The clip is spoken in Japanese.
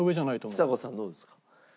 ちさ子さんはどうですか？